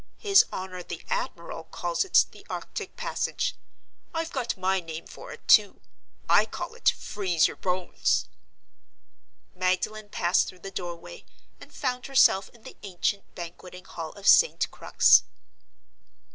His honor the admiral calls it the Arctic Passage. I've got my name for it, too—I call it, Freeze your Bones." Magdalen passed through the doorway, and found herself in the ancient Banqueting Hall of St. Crux.